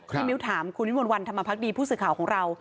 มิ้วถามคุณวิมวลวันธรรมพักดีผู้สื่อข่าวของเรา